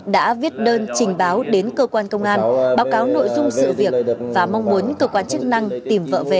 đã viết đơn trình báo đến cơ quan công an báo cáo nội dung sự việc và mong muốn cơ quan chức năng tìm vợ về